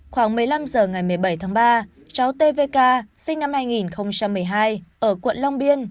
khoảng một mươi năm h ngày một mươi bảy tháng ba cháu tvk sinh năm hai nghìn một mươi hai ở quận long biên